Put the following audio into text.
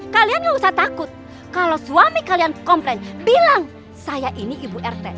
kalian gak usah takut kalau suami kalian komplain bilang saya ini ibu rt